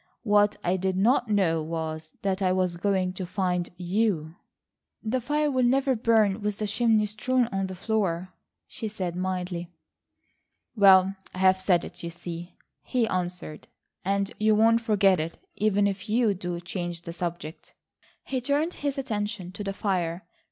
What I did not know was that I was going to find you." "The fire will never burn with the chimney strewn on the floor," she said mildly. "Well, I've said it, you see," he answered, "and you won't forget it, even if you do change the subject." He turned his attention to the fire.